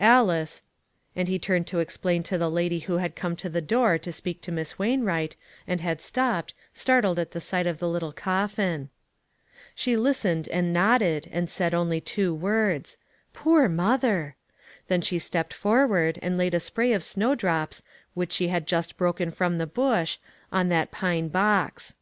Alice," and he turned to explain to the lady who had come 282 ONE COMMONPLACE DAY. to the door to speak to Miss Wainwright, and had stopped, startled at the sight of the little coffin. She listened, and nodded, and said only two words :*' Poor mother !" Then she stepped forward, and laid a spray of snowdrops, which she had just broken from the bush, on that pine box.